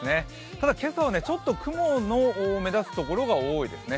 ただ、今朝はちょっと雲の目立つ所が多いですね。